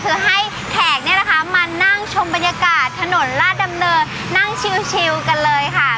คือให้แขกเนี่ยนะคะมานั่งชมบรรยากาศถนนราชดำเนินนั่งชิวกันเลยค่ะ